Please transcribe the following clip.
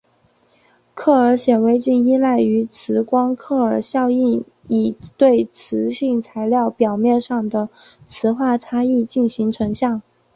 克尔显微镜依赖于磁光克尔效应以对磁性材料表面上的磁化差异进行成像。